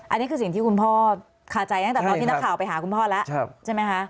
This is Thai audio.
อันนี้คือสิ่งที่คุณพ่อคาใจตั้งแต่ตอนที่นักข่าวไปหาคุณพ่อแล้วใช่ไหมคะ